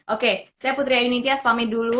oke saya putri ayuni tias pamit dulu